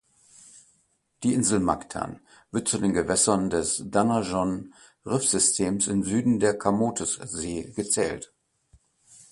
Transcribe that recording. Die Insel Mactan wird zu den Gewässern des Danajon-Riffsystems im Süden der Camotes-See gezählt.